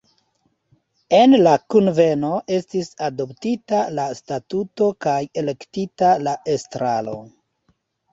En la kunveno estis adoptita la statuto kaj elektita la estraro.